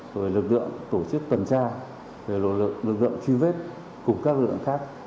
về lực lượng tổ chức tuần tra về lực lượng truy vết cùng các lực lượng khác